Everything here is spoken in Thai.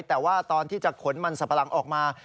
แต่ว่าตอนที่จะขนมันสับปะหลังออกมา